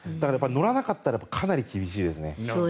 乗らなかったらかなり厳しいですね。